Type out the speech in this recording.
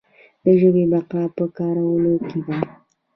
د ژبې بقا په کارولو کې ده.